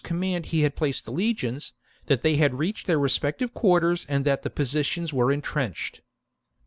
c. command he had placed the legions, that they had reached their respective quarters and that the positions were entrenched.